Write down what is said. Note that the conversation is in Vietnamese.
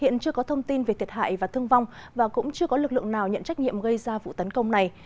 hiện chưa có thông tin về thiệt hại và thương vong và cũng chưa có lực lượng nào nhận trách nhiệm gây ra vụ tấn công này